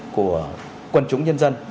của quân chúng nhân dân